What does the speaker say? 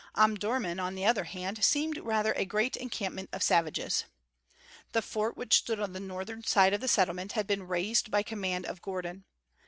Omdurmân, on the other hand, seemed rather a great encampment of savages. The fort which stood on the northern side of the settlement had been razed by command of Gordon.